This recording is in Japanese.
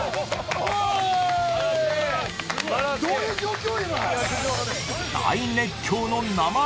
どういう状況？